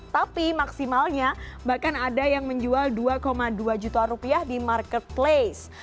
tapi maksimalnya bahkan ada yang menjual dua dua juta rupiah di marketplace